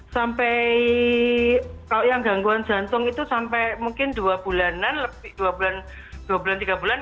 sampai kalau yang gangguan jantung itu sampai mungkin dua bulanan lebih dua bulan tiga bulan